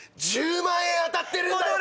１０万円当たってるんだよ。